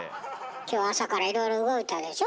今日朝からいろいろ動いたでしょ？